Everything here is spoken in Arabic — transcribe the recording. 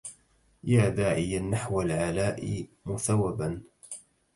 يا داعيا نحو العلاء مثوبا